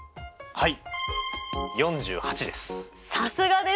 はい。